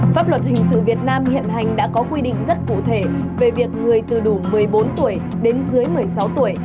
pháp luật hình sự việt nam hiện hành đã có quy định rất cụ thể về việc người từ đủ một mươi bốn tuổi đến dưới một mươi sáu tuổi